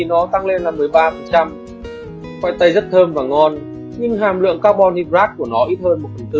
nó tăng lên là một mươi ba khoai tây rất thơm và ngon nhưng hàm lượng carbon hidrat của nó ít hơn một bốn